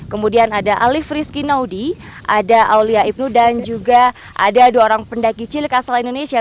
kemudian ada alif rizky naudi ada aulia ibnu dan juga ada dua orang pendaki cilik asal indonesia